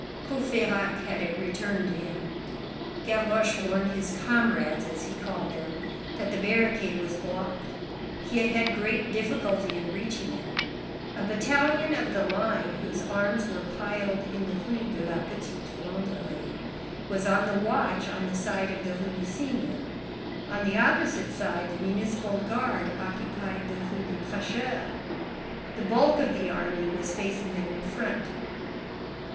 Courfeyrac had it returned to him. Gavroche warned "his comrades" as he called them, that the barricade was blocked. He had had great difficulty in reaching it. A battalion of the line whose arms were piled in the Rue de la Petite Truanderie was on the watch on the side of the Rue du Cygne; on the opposite side, the municipal guard occupied the Rue des Prêcheurs. The bulk of the army was facing them in front.